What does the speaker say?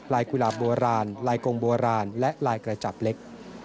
กุหลาบโบราณลายกงโบราณและลายกระจับเล็ก